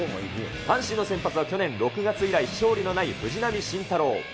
阪神の先発は去年６月以来勝利のない藤浪晋太郎。